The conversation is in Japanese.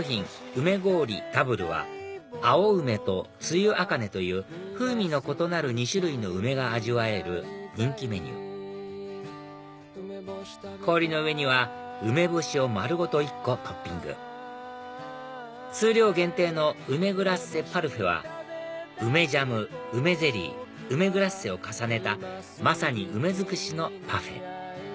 梅ごおりダブルは青梅と露茜という風味が異なる２種類の梅が味わえる人気メニュー氷の上には梅干しを丸ごと１個トッピング数量限定の梅グラッセパルフェは梅ジャム梅ゼリー梅グラッセを重ねたまさに梅尽くしのパフェ